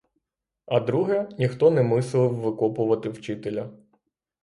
А друге — ніхто не мислив викопувати вчителя.